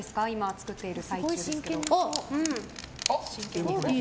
作っている最中ですが。